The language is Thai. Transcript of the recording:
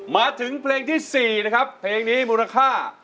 มาถึงเพลงที่๔นะครับเพลงนี้มูลค่า